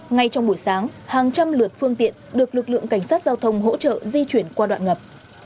ngay trong buổi sáng hàng trăm lượt phương tiện được lực lượng cảnh sát giao thông hỗ trợ di chuyển qua đoạn ngập